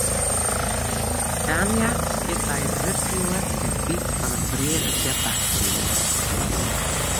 Tania siet by it hurdfjoer en iet fan it brea dat hja bakt hie.